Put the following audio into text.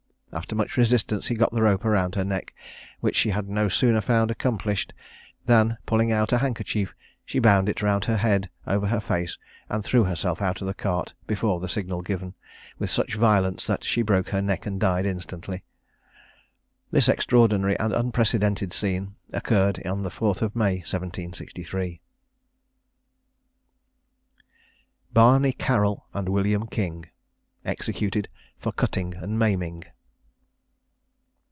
After much resistance he got the rope about her neck, which she had no sooner found accomplished, than, pulling out a handkerchief, she bound it round her head, over her face, and threw herself out of the cart, before the signal given, with such violence, that she broke her neck and died instantly. This extraordinary and unprecedented scene occurred on the 4th May, 1763. BARNEY CARROL AND WILLIAM KING. EXECUTED FOR CUTTING AND MAIMING.